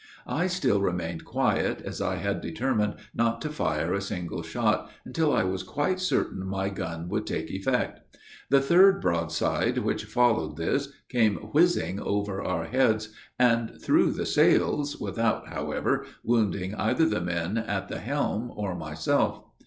I still remained quiet, as I had determined not to fire a single shot until I was quite certain my gun would take effect. The third broadside, which followed this, came whizzing over our heads and through the sails, without, however, wounding either the men at the helm or myself.